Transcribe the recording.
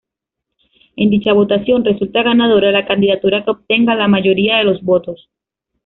En dicha votación resulta ganadora la candidatura que obtenga la mayoría de los votos.